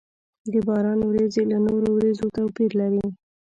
د باران ورېځې له نورو ورېځو توپير لري.